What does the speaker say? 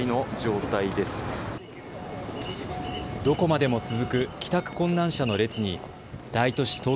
どこまでも続く帰宅困難者の列に大都市